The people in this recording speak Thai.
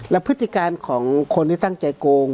แล้วพฤติการของคนที่ตั้งใจโกง